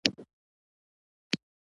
دا شواهد د دوی له قبرونو څخه لاسته راغلي دي